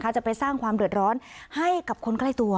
จะไปสร้างความเดือดร้อนให้กับคนใกล้ตัว